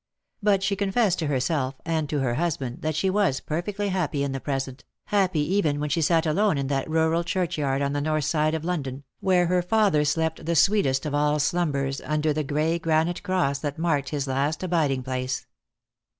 But she confessed to herself and to her husband that she was perfectly happy in the present, happy even when she sat alone in that rural churchyard on the north side of London, where her father slept the sweetest of all slumbers under the gray granite cross that marked his last abiding place.